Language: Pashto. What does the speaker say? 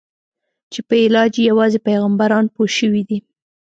چې په علاج یې یوازې پیغمبران پوه شوي دي.